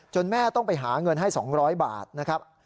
แม่ต้องไปหาเงินให้๒๐๐บาทนะครับ